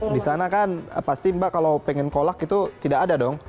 di sana kan pasti mbak kalau pengen kolak itu tidak ada dong